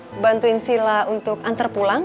bisa kan bantuin sila untuk antar pulang ya